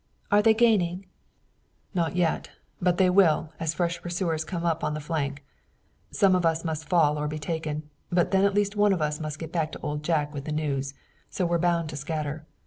"Are they gaining?" "Not yet. But they will, as fresh pursuers come up on the flank. Some of us must fall or be taken, but then at least one of us must get back to Old Jack with the news. So we're bound to scatter.